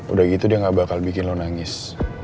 udah gitu dia gak bakal bikin lo nangis